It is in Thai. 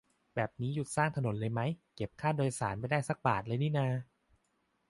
แบบนี้หยุดสร้างถนนเลยไหม เก็บค่าโดยสารไม่ได้สักบาทเลยนี่นา